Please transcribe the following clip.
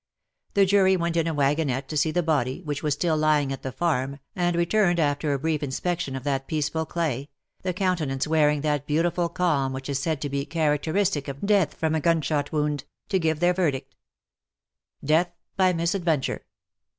The jury went in a wagonette to see the body, which was still lying at the farm^ and returned after a brief iospection of that peaceful clay — the countenance wearing that beautiful calm which is said to be characteristic of death from a gun shot wound — to give their verdict. ^' Death by misadventure.